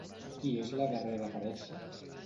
Qui és la darrera a aparèixer?